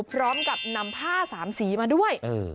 พร้อมกับนำผ้าสามสีมาด้วย